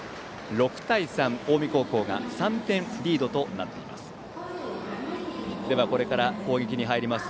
６対３、近江高校が３点リードとなっています。